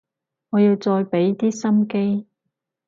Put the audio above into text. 我要再畀啲心機